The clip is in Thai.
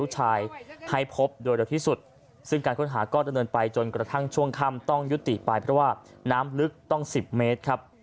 ให้พบโดยเร็วที่สุดซึ่งการค้นหาก็ดำเนินไปจนกระทั่งช่วงค่ำต้องยุติไปเพราะว่าน้ำลึกต้อง๑๐เมตรครับ